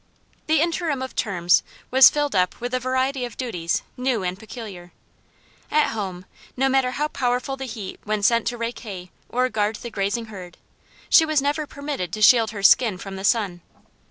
The interim of terms was filled up with a variety of duties new and peculiar. At home, no matter how powerful the heat when sent to rake hay or guard the grazing herd, she was never permitted to shield her skin from the sun.